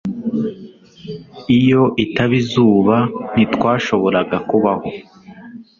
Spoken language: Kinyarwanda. Iyo itaba izuba, ntitwashoboraga kubaho